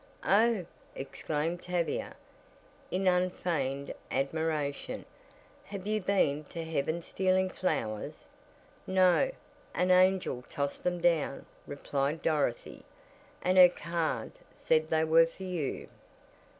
"Oh!" exclaimed Tavia, in unfeigned admiration, "have you been to heaven stealing flowers?" "No, an angel tossed them down," replied Dorothy, "and her card said they were for you."